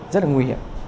rất là nguy hiểm